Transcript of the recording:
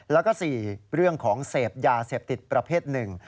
แล้วก็๔เรื่องของเสพยาเสพติดประเภทหนึ่ง